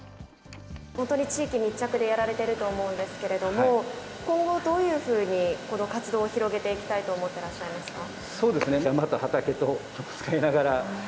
本当に地域密着でやられていると思うんですけれども、今後、どういうふうにこの活動を広げていきたいと思っていらっしゃいますか？